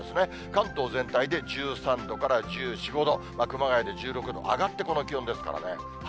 関東全体で１３度から１４、５度、熊谷で１６度、上がってこの気温ですからね。